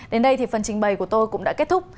đến đây thì phần trình bày của tôi cũng đã kết thúc